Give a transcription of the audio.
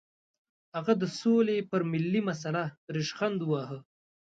هغه د سولې پر ملي مسله ریشخند وواهه.